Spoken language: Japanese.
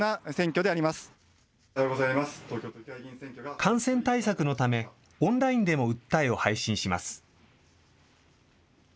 感染対策のためオンラインでも訴えを配信します。